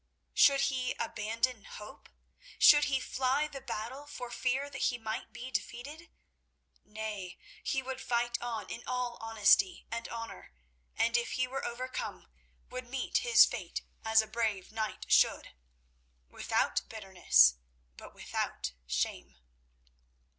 Should he abandon hope? Should he fly the battle for fear that he might be defeated? Nay; he would fight on in all honesty and honour, and if he were overcome, would meet his fate as a brave knight should—without bitterness, but without shame.